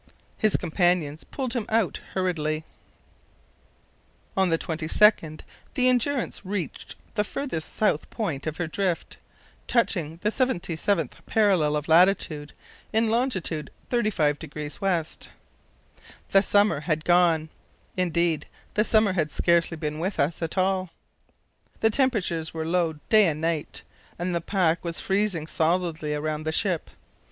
His companions pulled him out hurriedly. On the 22nd the Endurance reached the farthest south point of her drift, touching the 77th parallel of latitude in long. 35° W. The summer had gone; indeed the summer had scarcely been with us at all. The temperatures were low day and night, and the pack was freezing solidly around the ship.